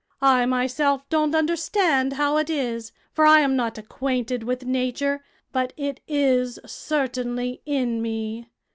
I myself don't understand how it is, for I am not acquainted with nature, but it is certainly in me.